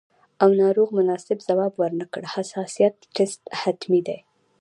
او ناروغ مناسب ځواب ورنکړي، حساسیت ټسټ حتمي دی.